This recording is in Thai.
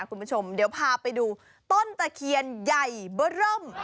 คุณผู้ชมเดี๋ยวพาไปดูต้นตะเคียนใหญ่เบอร์เริ่ม